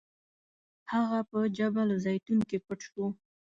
هغه په جبل الزیتون کې پټ شو.